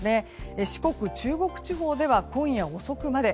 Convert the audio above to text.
四国・中国地方では今夜遅くまで。